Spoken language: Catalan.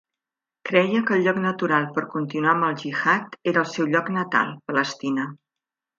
Creia que el lloc natural per continuar amb el jihad era el seu lloc natal: Palestina.